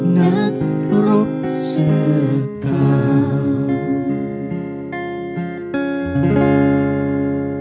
นักรบเสื้อกาว